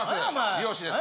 美容師です